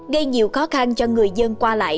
gây nhiều khó khăn cho người dân qua lại